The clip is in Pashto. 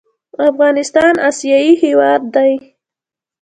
افغانستان اسیایي هېواد دی.